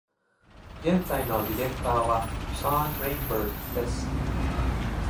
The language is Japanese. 現在のディレクターは Sean Rainbird です。